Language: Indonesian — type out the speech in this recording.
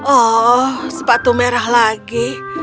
oh sepatu merah lagi